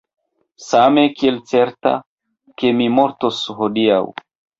Same, kiel certa, ke mi mortos hodiaŭ.